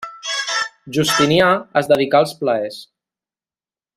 Justinià es dedicà als plaers.